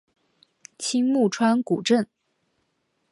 青木川古镇